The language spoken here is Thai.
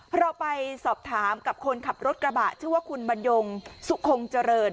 เราไปสอบถามกับคนขับรถกระบะชื่อว่าคุณบรรยงสุคงเจริญ